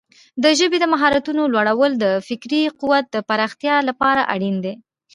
د ژبې د مهارتونو لوړول د فکري قوت د پراختیا لپاره اړین دي.